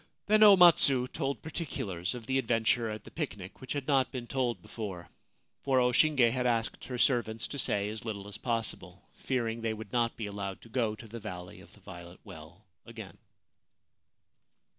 Then O Matsu told particulars of the adventure at the picnic which had not been told before, — for O Shinge had asked her servants to say as little as possible, fear ing they would not be allowed to go to the Valley of the Violet Well again.